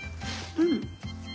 うん。